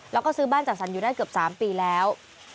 แล้วก็ซื้อบ้านจัดสรรอยู่ได้เกือบ๓ปีแล้ว